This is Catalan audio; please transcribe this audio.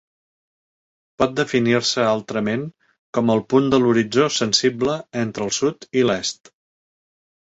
Pot definir-se altrament com el punt de l'horitzó sensible entre el sud i l'est.